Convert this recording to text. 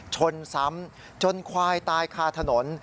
ชนซ้ำจนควายตายคาถนน